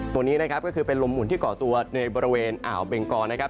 ตัวนี้นะครับก็คือเป็นลมหุ่นที่เกาะตัวในบริเวณอ่าวเบงกอนะครับ